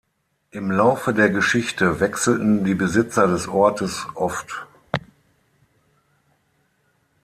Im Laufe der Geschichte wechselten die Besitzer des Ortes oft.